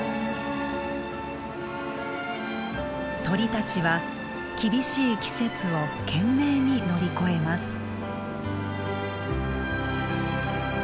鳥たちは厳しい季節を懸命に乗り越えます。